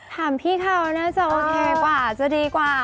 ถามพี่เขาน่าจะโอเคกว่าจะดีกว่า